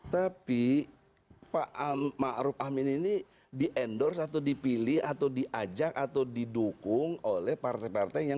tapi pak ma'ruf amir ini di endorse atau dipilih atau diajak atau didukung oleh partai partai yang lain